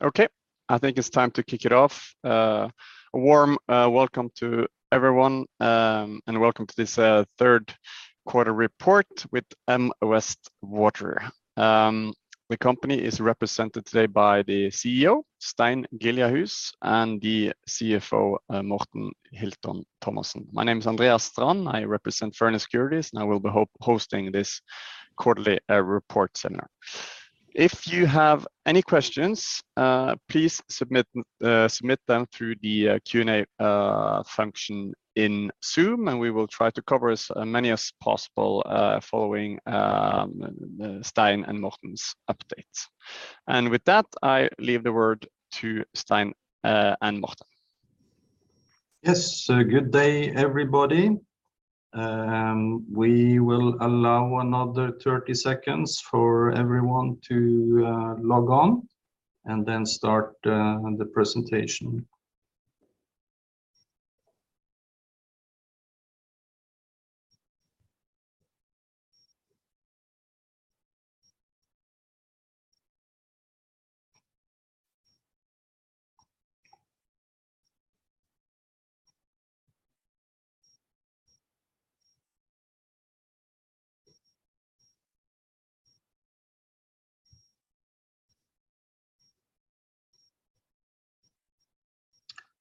Okay, I think it's time to kick it off. A warm welcome to everyone, and welcome to this third quarter report with M Vest Water. The company is represented today by the CEO, Stein Giljarhus, and the CFO, Morten Hilton Thomassen. My name is Andreas Strand. I represent Fearnley Securities, and I will be hosting this quarterly report seminar. If you have any questions, please submit them through the Q&A function in Zoom, and we will try to cover as many as possible following Stein and Morten's updates. With that, I leave the word to Stein and Morten. Yes. Good day, everybody. We will allow another 30 seconds for everyone to log on and then start the presentation.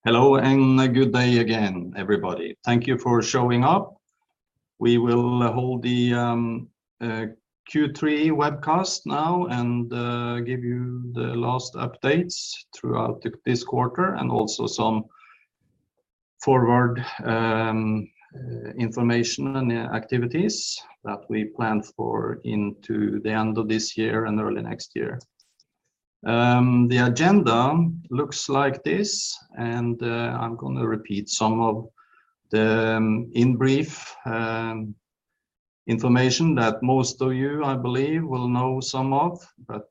Hello, and good day again, everybody. Thank you for showing up. We will hold the Q3 webcast now and give you the last updates throughout this quarter and also some forward information and activities that we plan for into the end of this year and early next year. The agenda looks like this, and I'm gonna repeat some of the in brief information that most of you, I believe, will know some of.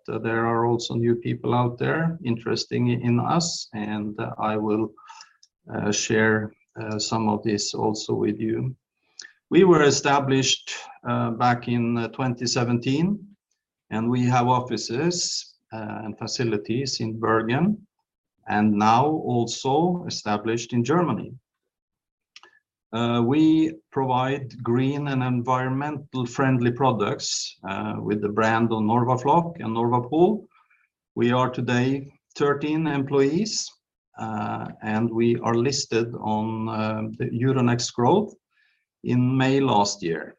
There are also new people out there interested in us, and I will share some of this also with you. We were established back in 2017, and we have offices and facilities in Bergen, and now also established in Germany. We provide green and environmentally friendly products with the brands NORWAFLOC and NORWAPOL. We are today 13 employees, and we are listed on the Euronext Growth in May last year.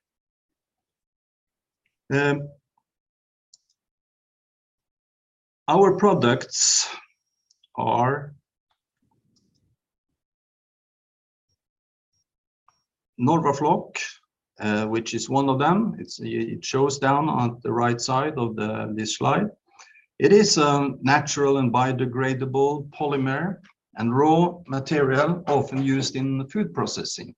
Our products are NORWAFLOC, which is one of them. It's shown on the right side of this slide. It is a natural and biodegradable polymer and raw material often used in food processing.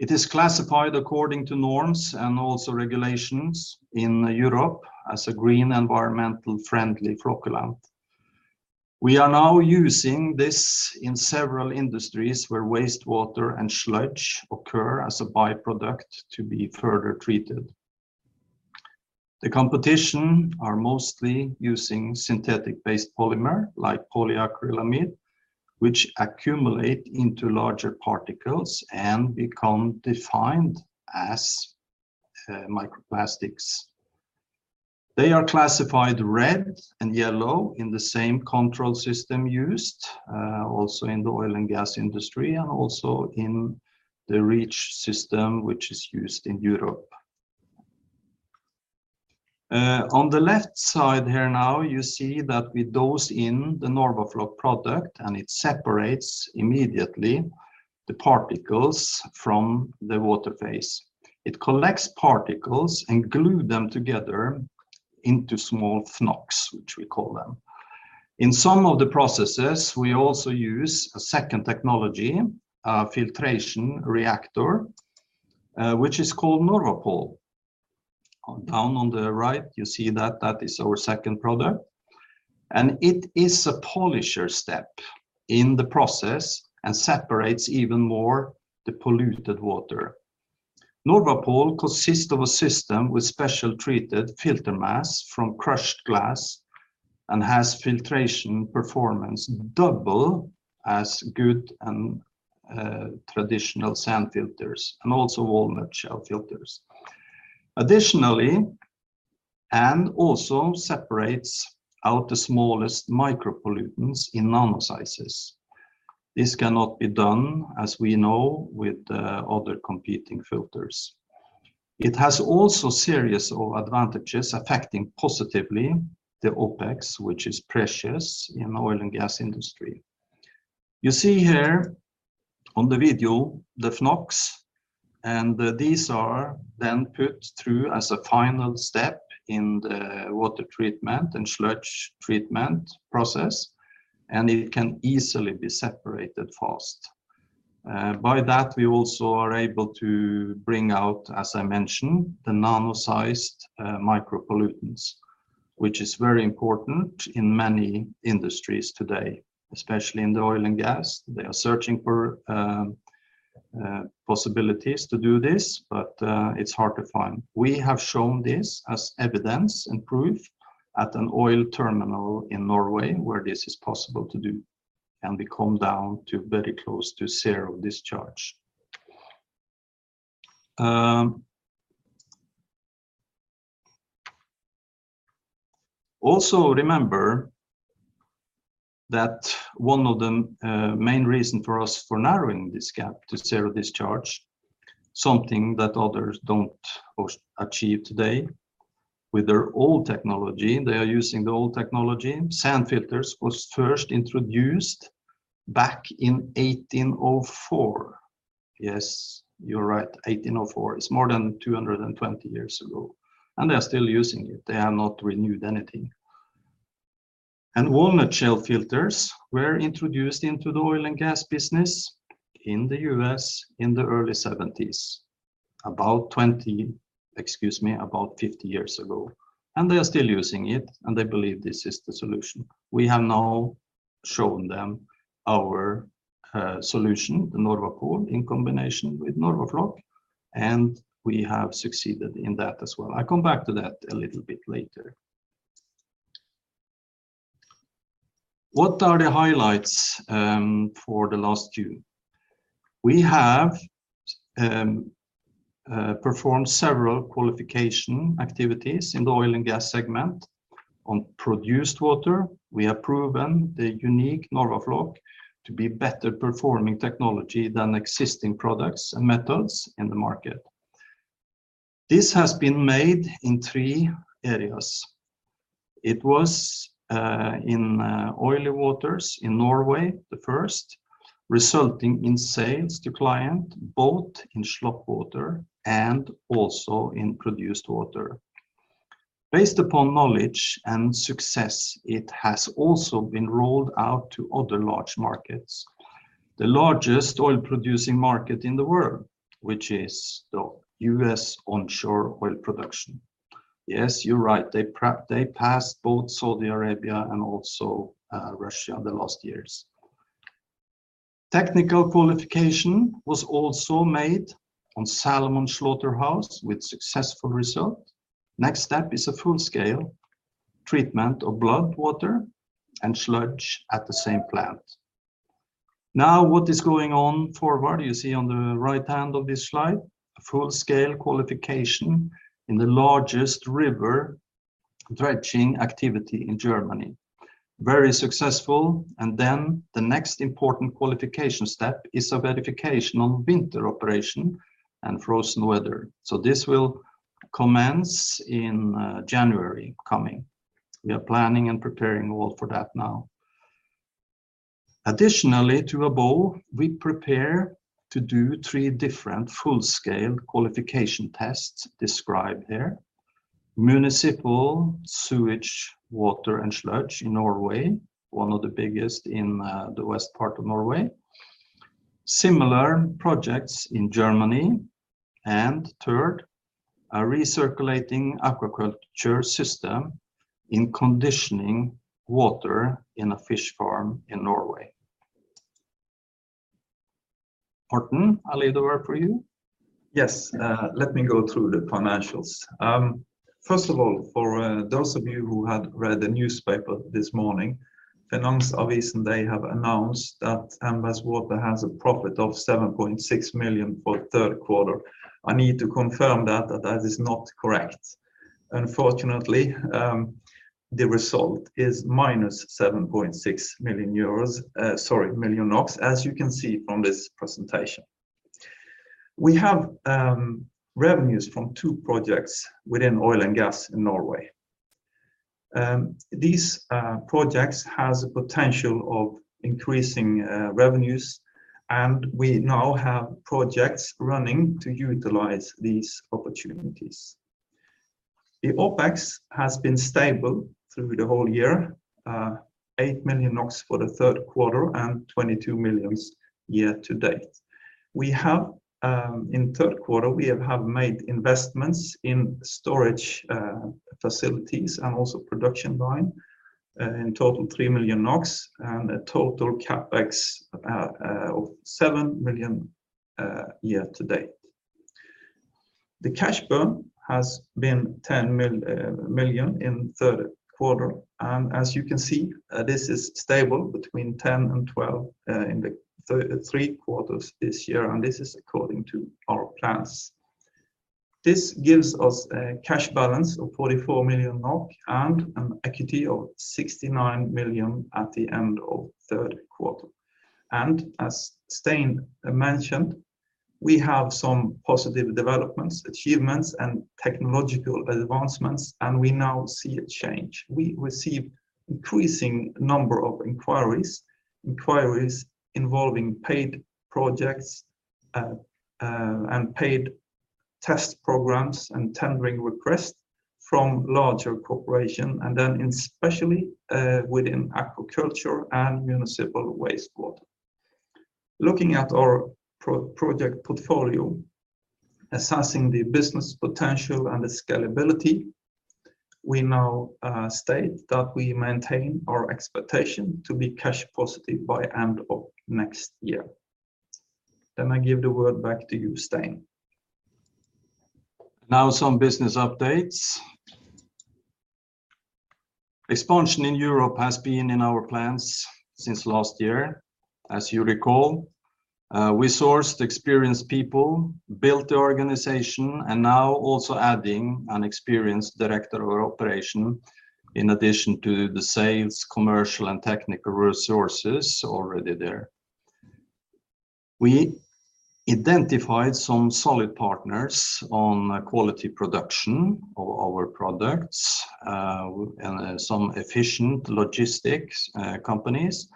It is classified according to norms and also regulations in Europe as a green environmentally friendly flocculant. We are now using this in several industries where wastewater and sludge occur as a by-product to be further treated. The competition are mostly using synthetic based polymer, like polyacrylamide, which accumulate into larger particles and become defined as microplastics. They are classified red and yellow in the same control system used also in the oil and gas industry and also in the REACH system, which is used in Europe. On the left side here now, you see that we dose in the NORWAFLOC product, and it separates immediately the particles from the water phase. It collects particles and glue them together into small flocs, which we call them. In some of the processes, we also use a second technology, a filtration reactor, which is called NORWAPOL. Down on the right, you see that that is our second product. It is a polisher step in the process and separates even more the polluted water. NORWAPOL consists of a system with special treated filter mass from crushed glass and has filtration performance double as good and traditional sand filters and also walnut shell filters. Additionally, and also separates out the smallest micropollutants in nano sizes. This cannot be done, as we know, with other competing filters. It has also series of advantages affecting positively the OpEx, which is precious in oil and gas industry. You see here on the video the flocs, and these are then put through as a final step in the water treatment and sludge treatment process, and it can easily be separated fast. By that, we also are able to bring out, as I mentioned, the nano-sized micropollutants, which is very important in many industries today, especially in the oil and gas. They are searching for possibilities to do this, but it's hard to find. We have shown this as evidence and proof at an oil terminal in Norway where this is possible to do, and we come down to very close to zero discharge. Also remember that one of the main reason for us for narrowing this gap to zero discharge, something that others don't achieve today with their old technology, they are using the old technology. Sand filters was first introduced back in 1804. Yes, you're right, 1804. It's more than 220 years ago, and they're still using it. They have not renewed anything. Walnut shell filters were introduced into the oil and gas business in the U.S. in the early 1970s, about 50 years ago, and they are still using it, and they believe this is the solution. We have now shown them our solution, the NORWAPOL in combination with NORWAFLOC, and we have succeeded in that as well. I come back to that a little bit later. What are the highlights for the last June? We have performed several qualification activities in the oil and gas segment on produced water. We have proven the unique NORWAFLOC to be better performing technology than existing products and methods in the market. This has been made in three areas. It was in oily waters in Norway, the first, resulting in sales to client, both in slop water and also in produced water. Based upon knowledge and success, it has also been rolled out to other large markets. The largest oil-producing market in the world, which is the U.S. onshore oil production. Yes, you're right, they passed both Saudi Arabia and also, Russia the last years. Technical qualification was also made on salmon slaughterhouse with successful result. Next step is a full-scale treatment of blood water and sludge at the same plant. Now, what is going on forward? You see on the right hand of this slide, a full-scale qualification in the largest river dredging activity in Germany. Very successful, and then the next important qualification step is a verification on winter operation and frozen weather. This will commence in January coming. We are planning and preparing well for that now. Additionally to above, we prepare to do three different full-scale qualification tests described here. Municipal sewage water and sludge in Norway, one of the biggest in the west part of Norway. Similar projects in Germany, and third, a recirculating aquaculture system in conditioning water in a fish farm in Norway. Morten, I leave the word for you. Yes, let me go through the financials. First of all, for those of you who had read the newspaper this morning, Finansavisen, they have announced that M Vest Water has a profit of 7.6 million for third quarter. I need to confirm that that is not correct. Unfortunately, the result is -7.6 million euros, sorry, -7.6 million, as you can see from this presentation. We have revenues from two projects within oil and gas in Norway. These projects has a potential of increasing revenues, and we now have projects running to utilize these opportunities. The OpEx has been stable through the whole year, 8 million NOK for the third quarter and 22 million year-to-date. We have in third quarter made investments in storage facilities and also production line in total 3 million NOK and a total CapEx of 7 million year-to-date. The cash burn has been 10 million in third quarter, and as you can see this is stable between 10 million and 12 million in the three quarters this year, and this is according to our plans. This gives us a cash balance of 44 million NOK and an equity of 69 million at the end of third quarter. As Stein mentioned, we have some positive developments, achievements, and technological advancements, and we now see a change. We receive increasing number of inquiries involving paid projects and paid test programs and tendering requests from larger corporation, and then especially within aquaculture and municipal wastewater. Looking at our project portfolio, assessing the business potential and the scalability. We now state that we maintain our expectation to be cash positive by end of next year. I give the word back to you, Stein. Now some business updates. Expansion in Europe has been in our plans since last year, as you recall. We sourced experienced people, built the organization, and now also adding an experienced director of operations in addition to the sales, commercial, and technical resources already there. We identified some solid partners on quality production of our products, and some efficient logistics companies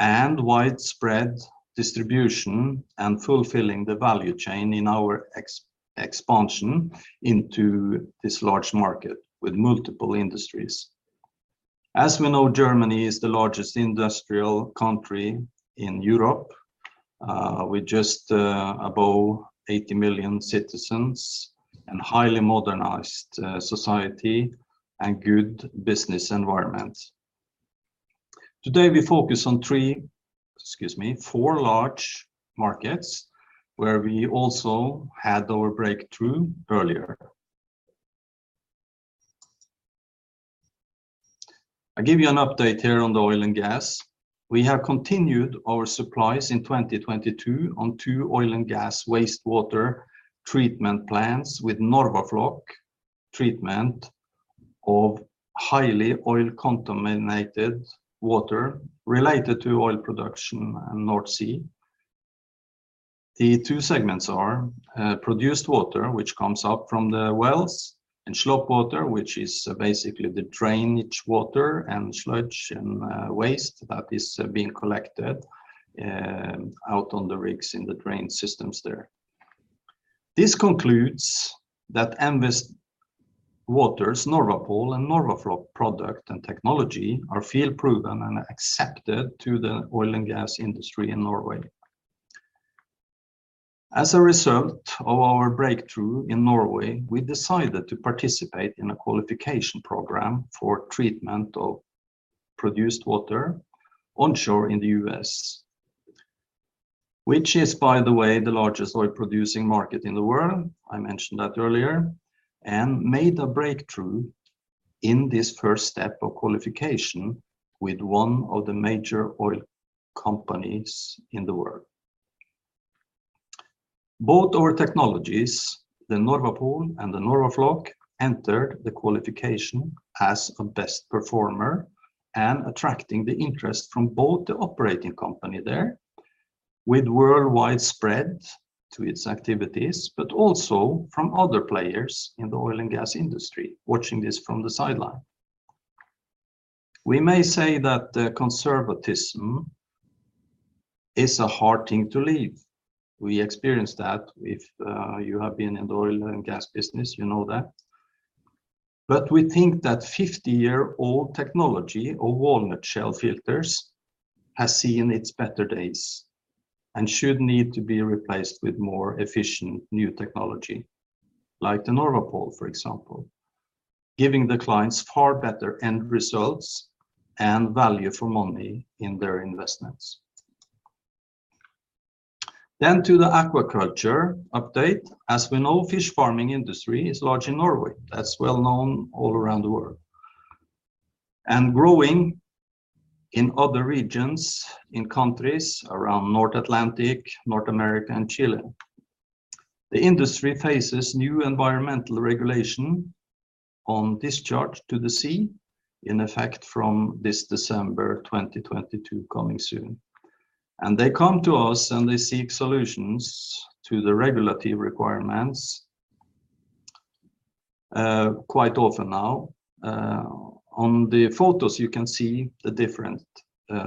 and widespread distribution and fulfilling the value chain in our expansion into this large market with multiple industries. As we know, Germany is the largest industrial country in Europe, with just above 80 million citizens and highly modernized society and good business environment. Today, we focus on three, excuse me, four large markets where we also had our breakthrough earlier. I give you an update here on the oil and gas. We have continued our supplies in 2022 on two oil and gas wastewater treatment plants with NORWAFLOC treatment of highly oil-contaminated water related to oil production in North Sea. The two segments are, produced water, which comes up from the wells, and slop water, which is basically the drainage water and sludge and, waste that is being collected, out on the rigs in the drain systems there. This concludes that M Vest Water, NORWAPOL and NORWAFLOC product and technology are field proven and accepted to the oil and gas industry in Norway. As a result of our breakthrough in Norway, we decided to participate in a qualification program for treatment of produced water onshore in the U.S., which is, by the way, the largest oil-producing market in the world, I mentioned that earlier, and made a breakthrough in this first step of qualification with one of the major oil companies in the world. Both our technologies, the NORWAPOL and the NORWAFLOC, entered the qualification as a best performer and attracting the interest from both the operating company there with worldwide spread to its activities, but also from other players in the oil and gas industry watching this from the sideline. We may say that the conservatism is a hard thing to leave. We experience that with, you have been in the oil and gas business, you know that. We think that 50-year-old technology or walnut shell filters has seen its better days and should need to be replaced with more efficient new technology like the NORWAPOL, for example, giving the clients far better end results and value for money in their investments. To the aquaculture update. As we know, fish farming industry is large in Norway. That's well known all around the world and growing in other regions in countries around North Atlantic, North America and Chile. The industry faces new environmental regulation on discharge to the sea in effect from this December 2022 coming soon. They come to us and they seek solutions to the regulatory requirements, quite often now. On the photos you can see the different,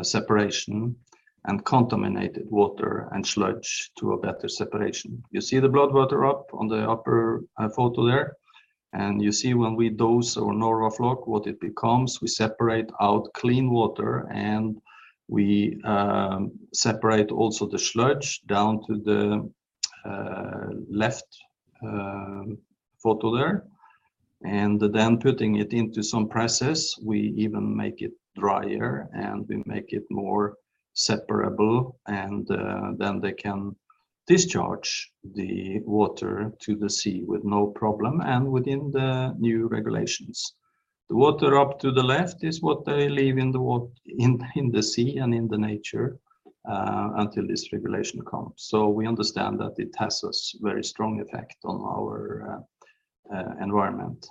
separation and contaminated water and sludge to a better separation. You see the blood water up on the upper photo there, and you see when we dose our NORWAFLOC, what it becomes, we separate out clean water and we separate also the sludge down to the left photo there, and then putting it into some process. We even make it drier and we make it more separable and then they can discharge the water to the sea with no problem and within the new regulations. The water up to the left is what they leave in the sea and in the nature until this regulation comes. We understand that it has a very strong effect on our environment.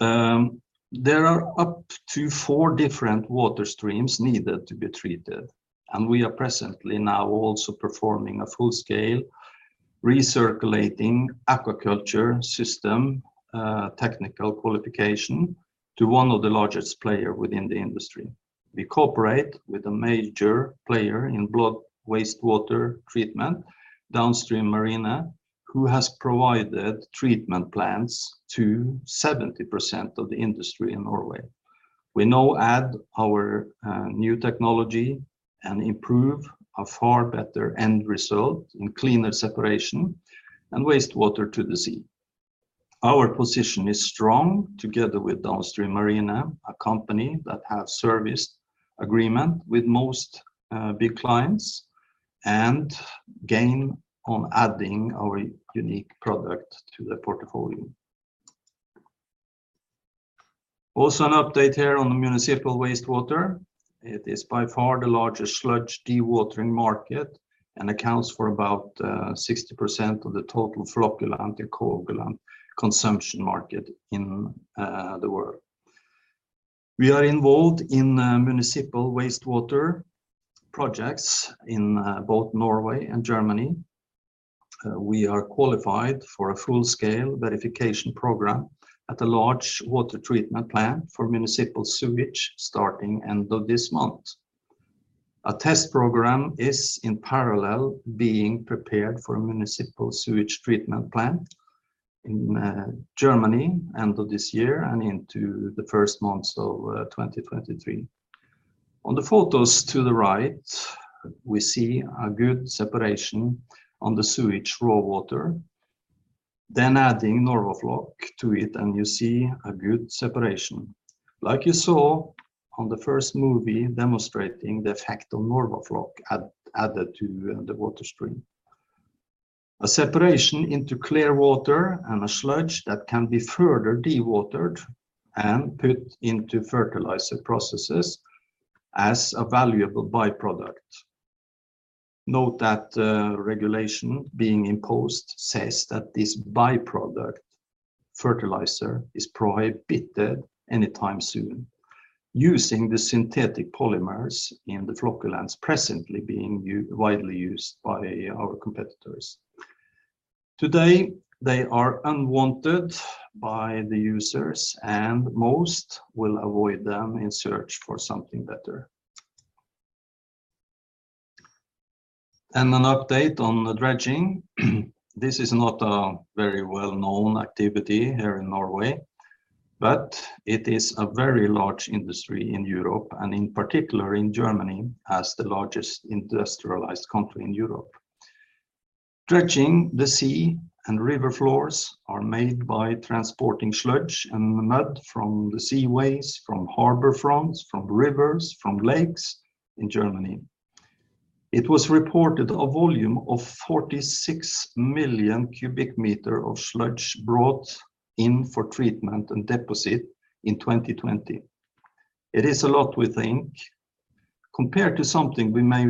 There are up to four different water streams needed to be treated, and we are presently now also performing a full-scale recirculating aquaculture system technical qualification to one of the largest player within the industry. We cooperate with a major player in ballast water treatment, Downstream Marine, who has provided treatment plants to 70% of the industry in Norway. We now add our new technology and improve a far better end result in cleaner separation and wastewater to the sea. Our position is strong together with Downstream Marine, a company that has service agreement with most big clients and gain on adding our unique product to the portfolio. Also an update here on the municipal wastewater. It is by far the largest sludge dewatering market and accounts for about 60% of the total flocculant and coagulant consumption market in the world. We are involved in municipal wastewater projects in both Norway and Germany. We are qualified for a full-scale verification program at a large water treatment plant for municipal sewage starting end of this month. A test program is in parallel being prepared for a municipal sewage treatment plant in Germany end of this year and into the first months of 2023. On the photos to the right, we see a good separation on the sewage raw water. Adding NORWAFLOC to it, and you see a good separation. Like you saw on the first movie demonstrating the effect of NORWAFLOC added to the water stream. A separation into clear water and a sludge that can be further dewatered and put into fertilizer processes as a valuable by-product. Note that regulation being imposed says that this by-product fertilizer is prohibited anytime soon using the synthetic polymers in the flocculants presently being widely used by our competitors. Today, they are unwanted by the users, and most will avoid them in search for something better. An update on the dredging. This is not a very well-known activity here in Norway, but it is a very large industry in Europe and in particular in Germany as the largest industrialized country in Europe. Dredging the sea and river floors are made by transporting sludge and mud from the seaways, from harbor fronts, from rivers, from lakes in Germany. It was reported a volume of 46 million cubic meters of sludge brought in for treatment and deposit in 2020. It is a lot, we think. Compared to something we may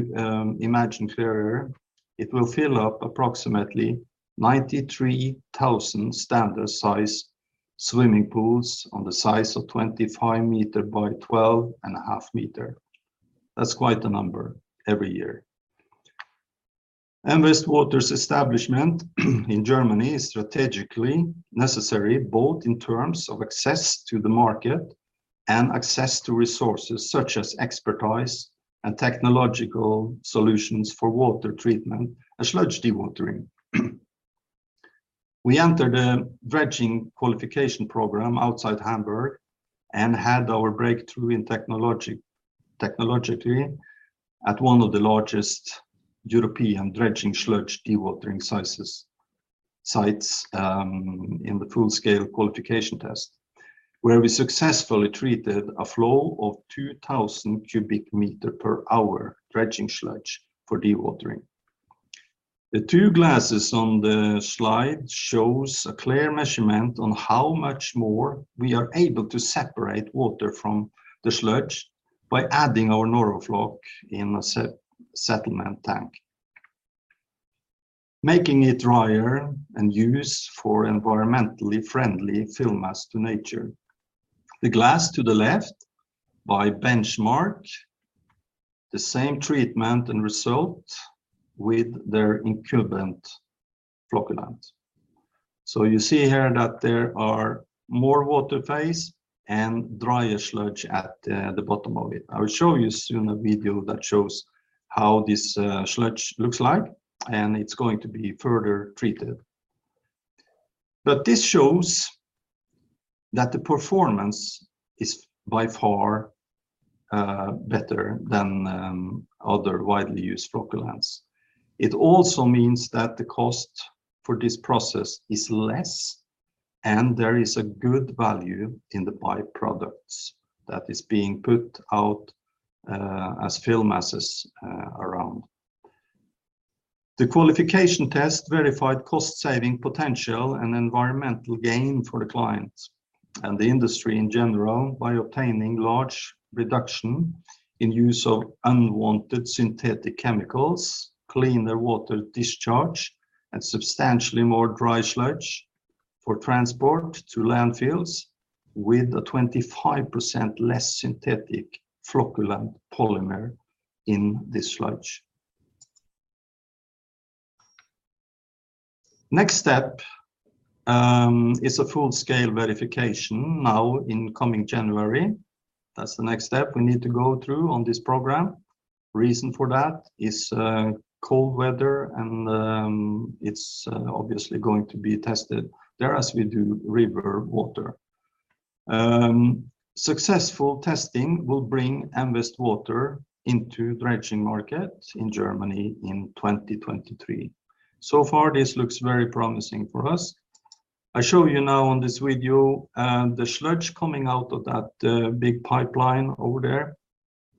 imagine clearer, it will fill up approximately 93,000 standard size swimming pools of the size of 25 m by 12.5m. That's quite a number every year. M Vest Water's establishment in Germany is strategically necessary, both in terms of access to the market and access to resources such as expertise and technological solutions for water treatment and sludge dewatering. We entered a dredging qualification program outside Hamburg and had our breakthrough technologically at one of the largest European dredging sludge dewatering sites in the full scale qualification test, where we successfully treated a flow of 2,000 cubic meters per hour dredging sludge for dewatering. The two glasses on the slide shows a clear measurement on how much more we are able to separate water from the sludge by adding our NORWAFLOC in a settlement tank, making it drier and useful for environmentally friendly biomass to nature. The glass to the left is the benchmark, the same treatment and result with their incumbent flocculant. You see here that there are more water phase and drier sludge at the bottom of it. I will show you soon a video that shows how this sludge looks like, and it's going to be further treated. This shows that the performance is by far better than other widely used flocculants. It also means that the cost for this process is less, and there is a good value in the by-products that is being put out as biomasses around. The qualification test verified cost saving potential and environmental gain for the clients and the industry in general by obtaining large reduction in use of unwanted synthetic chemicals, cleaner water discharge, and substantially more dry sludge for transport to landfills with a 25% less synthetic flocculant polymer in this sludge. Next step is a full scale verification now in coming January. That's the next step we need to go through on this program. Reason for that is cold weather and it's obviously going to be tested there as we do river water. Successful testing will bring M Vest Water into dredging market in Germany in 2023. So far, this looks very promising for us. I show you now on this video the sludge coming out of that big pipeline over there,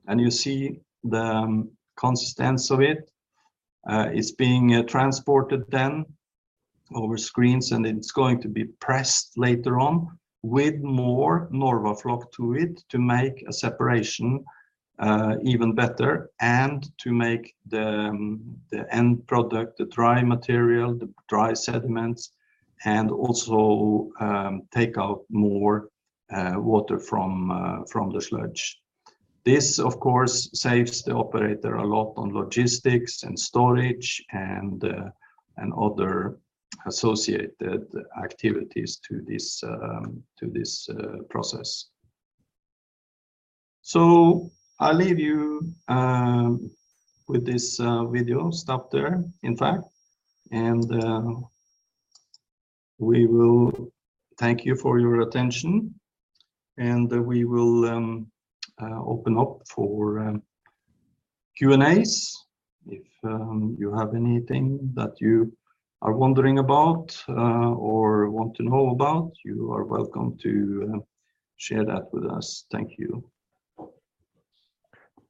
and you see the consistency of it. It's being transported then over screens, and it's going to be pressed later on with more NORWAFLOC to it to make a separation even better and to make the end product, the dry material, the dry sediments, and also take out more water from the sludge. This, of course, saves the operator a lot on logistics and storage and other associated activities to this process. I leave you with this video. Stop there, in fact, and we will thank you for your attention, and we will open up for Q&As. If you have anything that you are wondering about or want to know about, you are welcome to share that with us. Thank you.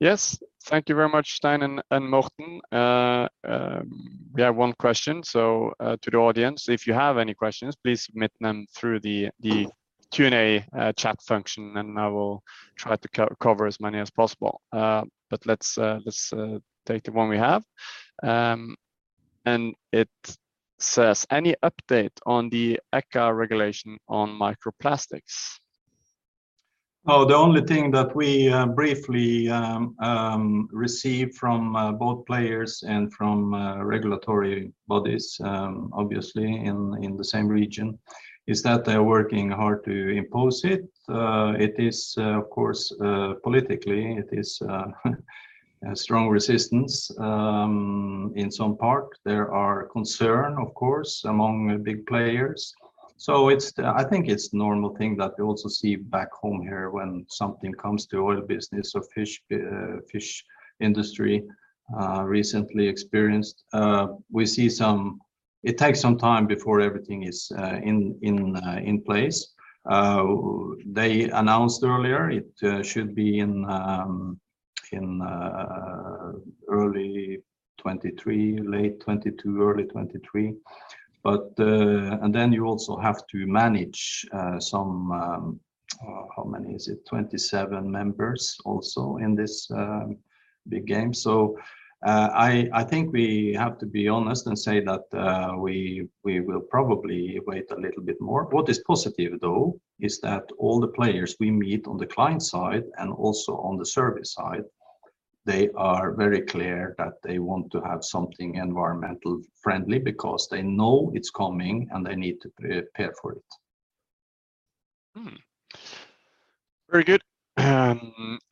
Yes. Thank you very much, Stein and Morten. We have one question. To the audience, if you have any questions, please submit them through the Q&A chat function, and I will try to cover as many as possible. Let's take the one we have. It says, "Any update on the ECHA regulation on microplastics? Oh, the only thing that we briefly receive from both players and from regulatory bodies, obviously in the same region is that they're working hard to impose it. It is, of course, politically a strong resistance. In some part there are concern, of course, among the big players. I think it's normal thing that we also see back home here when something comes to oil business or fish industry recently experienced. It takes some time before everything is in place. They announced earlier it should be in early 2023, late 2022, early 2023. You also have to manage some, how many is it? 27 members also in this big game. I think we have to be honest and say that we will probably wait a little bit more. What is positive, though, is that all the players we meet on the client side and also on the service side, they are very clear that they want to have something environmentally friendly because they know it's coming, and they need to prepare for it. Very good.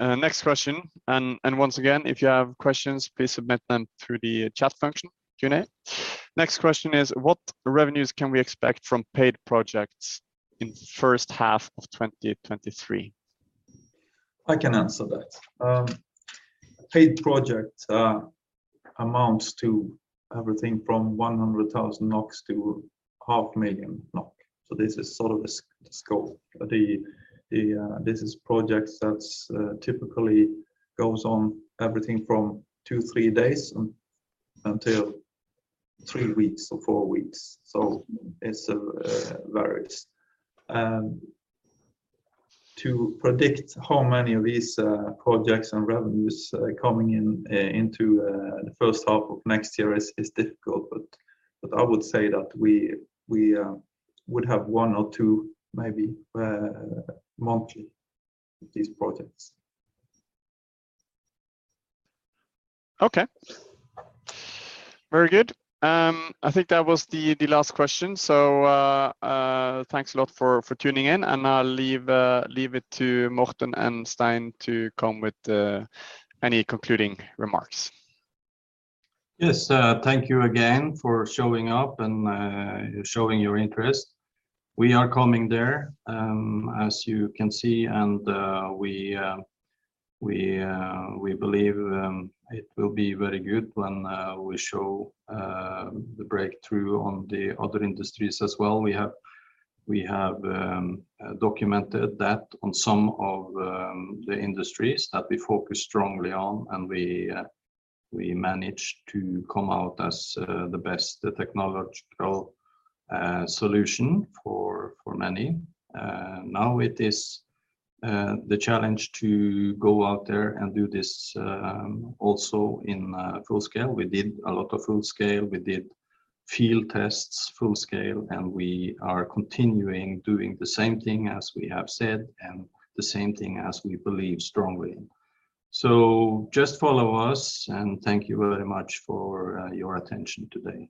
Next question. Once again, if you have questions, please submit them through the chat function, Q&A. Next question is, what revenues can we expect from paid projects in first half of 2023? I can answer that. Paid project amounts to everything from 100,000 NOK to 500,000 NOK. This is sort of the scope. This is projects that's typically goes on everything from two days, three days until three weeks or four weeks. It varies. To predict how many of these projects and revenues coming in into the first half of next year is difficult, but I would say that we would have one or two maybe monthly with these projects. Okay. Very good. I think that was the last question. Thanks a lot for tuning in, and I'll leave it to Morten and Stein to come with any concluding remarks. Yes. Thank you again for showing up and showing your interest. We are coming there, as you can see, and we believe it will be very good when we show the breakthrough on the other industries as well. We have documented that on some of the industries that we focus strongly on, and we managed to come out as the best technological solution for many. Now it is the challenge to go out there and do this also in full scale. We did a lot of full scale. We did field tests full scale, and we are continuing doing the same thing as we have said and the same thing as we believe strongly. Just follow us, and thank you very much for your attention today.